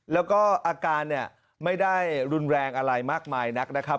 แล้วก็อาการเนี่ยไม่ได้รุนแรงอะไรมากมายนักนะครับ